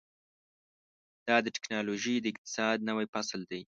دا د ټیکنالوژۍ د اقتصاد نوی فصل دی.